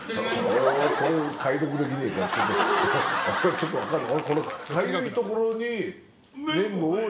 ちょっと分かんない。